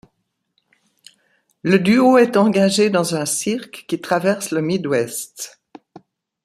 Le duo est engagé dans un cirque, qui traverse le Midwest.